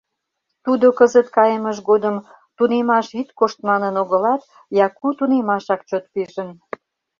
Тудо кызыт кайымыж годым «тунемаш ит кошт» манын огылат, Яку тунемашак чот пижын.